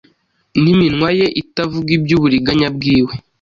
n’iminwa ye itavuga iby’uburiganya bwiwe